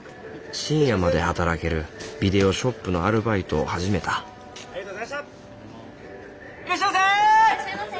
深夜まで働けるビデオショップのアルバイトを始めたいらっしゃいませ！